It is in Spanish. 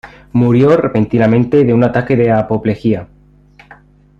Murió repentinamente de un ataque de apoplejía.